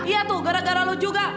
iya tuh gara gara lu juga